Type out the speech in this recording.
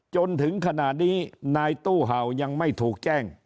จนถึงขณะนี้นายตู้เห่ายังไม่ถูกแจ้ง